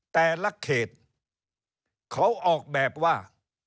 แต่ละเขตเขาออกแบบว่า